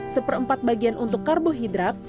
seperempat bagian untuk karbohidrat